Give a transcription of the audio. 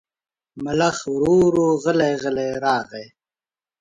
ملخ ورو ورو غلی غلی راغی.